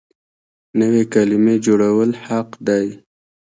نوې کلمې جوړول حق دی.